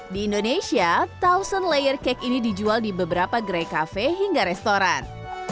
di indonesia tousen layer cake ini dijual di beberapa gerai kafe hingga restoran